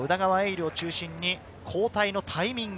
琉を中心に交代のタイミング、